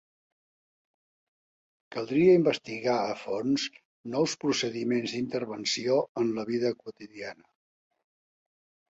Caldria investigar a fons nous procediments d'intervenció en la vida quotidiana.